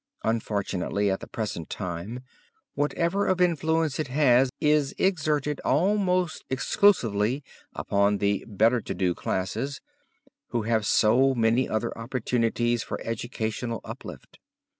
Unfortunately at the present time, whatever of influence it has is exerted almost exclusively upon the better to do classes, who have so many other opportunities for educational uplift.